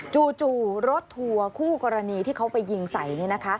จู่รถทัวร์คู่กรณีที่เขาไปยิงใส่